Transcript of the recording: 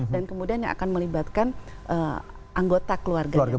dan kemudian yang akan melibatkan anggota keluarga yang lain